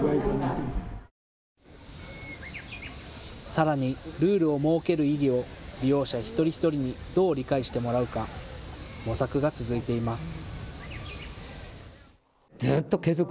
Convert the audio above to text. さらに、ルールを設ける意義を利用者一人一人にどう理解してもらうか模索が続いています。